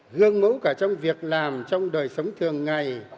gương mẫu cả trong việc làm trong đời sống thường ngày